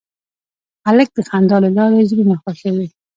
هلک د خندا له لارې زړونه خوښوي.